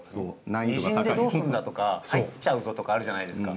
にじんでどうすんだとか入っちゃうぞとかあるじゃないですか。